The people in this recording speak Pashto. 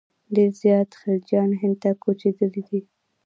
ډېر زیات خلجیان هند ته کوچېدلي دي.